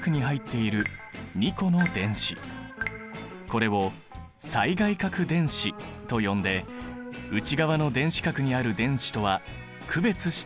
これを最外殻電子と呼んで内側の電子殻にある電子とは区別しているんだ。